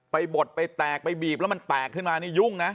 บดไปแตกไปบีบแล้วมันแตกขึ้นมานี่ยุ่งนะ